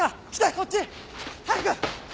こっち早く。